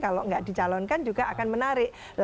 kalau nggak dicalonkan juga akan menarik